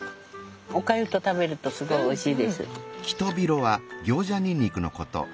お粥と食べるとすごいおいしいです。